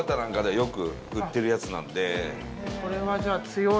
これはじゃあ強い。